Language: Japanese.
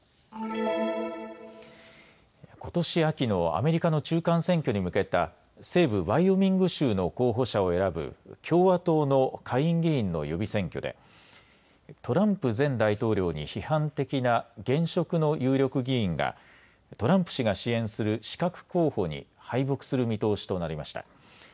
ことし秋のアメリカの中間選挙に向けた西部ワイオミング州の候補者を選ぶ共和党の下院議員の予備選挙でトランプ前大統領に批判的な現職の有力議員がトランプ氏が支援する刺客候補に敗北する見通しとなりました。